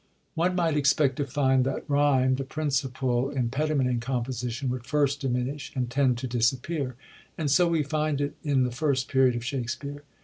One might expect to find that ryme,' the principal impedi ment in composition, would first diminish and tend to disappear ; and so we find it in the First Period of Shakspere.